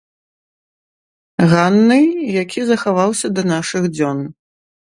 Ганны, які захаваўся да нашых дзён.